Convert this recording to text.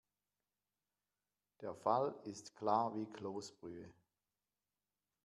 Der Fall ist klar wie Kloßbrühe.